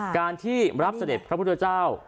การที่รับเสด็จพระพุทธเจ้า